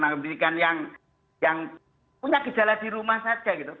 pendidikan yang punya gejala di rumah saja gitu